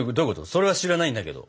それは知らないんだけど。